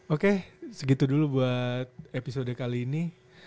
oke segitu dulu buat episode kali ini